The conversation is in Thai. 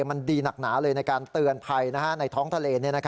มันดีหนักหนาเลยในการเตือนภัยในท้องทะเล